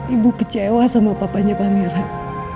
ibu kecewa sama papanya pangeran